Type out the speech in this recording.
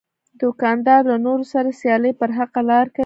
دوکاندار له نورو سره سیالي پر حقه لار کوي.